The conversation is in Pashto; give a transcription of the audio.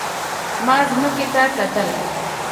ما ځمکې ته کتل.